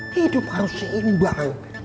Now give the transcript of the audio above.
hidup harus seimbang